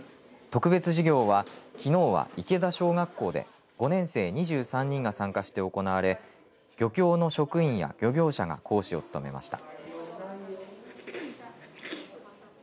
特別授業はきのうは池田小学校で５年生２３人が参加して行われ漁業漁協の職員や漁業者が講師を務めました。